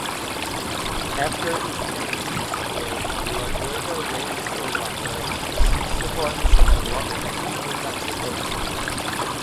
After his parents separated, Lavoyda raised Urlacher and his siblings in Lovington, New Mexico.